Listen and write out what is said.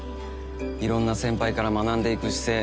いろんな先輩から学んでいく姿勢